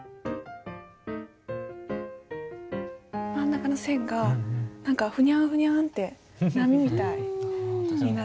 真ん中の線が何かふにゃんふにゃんって波みたいになってるなって。